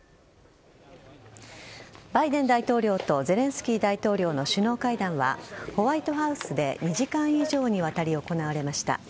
バイデン大統領とゼレンスキー大統領の首脳会談はホワイトハウスで２時間以上にわたり行われました。